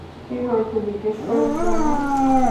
কী হয়েছে জিজ্ঞেস করেছিলে না?